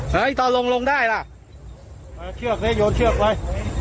เฮ้ยตอนลงลงได้ล่ะเชือกเลยโยนเชือกไว้